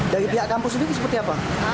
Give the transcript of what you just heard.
dari pihak kampus sendiri seperti apa